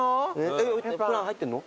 えっプラン入ってんの？